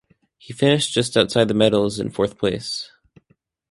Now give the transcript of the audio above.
He finished just outside the medals in fourth place.